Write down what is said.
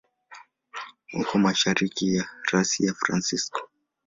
Uko mashariki ya rasi ya San Francisco.